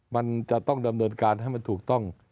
มันจะต้องดำเนินการให้มันถูกต้อง